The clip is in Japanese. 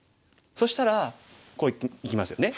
そしたらこういきますよね。